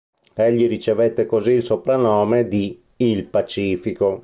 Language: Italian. Egli ricevette così il soprannome di "il Pacifico".